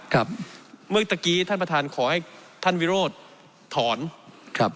ครับเมื่อตะกี้ท่านประธานขอให้ท่านวิโรธถอนครับ